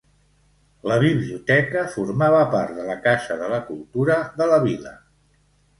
La biblioteca formava part de la Casa de la Cultura de la Vila.